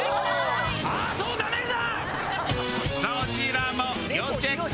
そちらも要チェック！